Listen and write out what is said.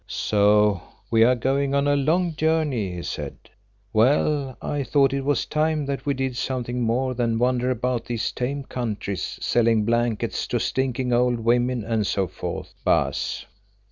"So we are going on a long journey," he said. "Well, I thought it was time that we did something more than wander about these tame countries selling blankets to stinking old women and so forth, Baas.